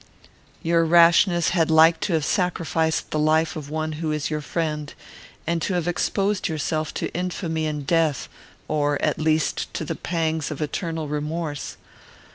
Your rashness had like to have sacrificed the life of one who is your friend, and to have exposed yourself to infamy and death, or, at least, to the pangs of eternal remorse.